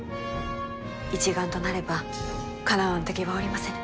一丸となればかなわぬ敵はおりませぬ。